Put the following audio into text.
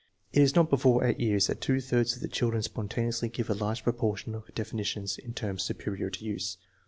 It is not before 8 years that two thirds of the children spontaneously give a large proportion of defi nitions in terms superior to use.